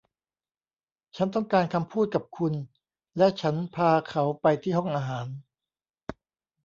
ฉันต้องการคำพูดกับคุณ และฉันพาเขาไปที่ห้องอาหาร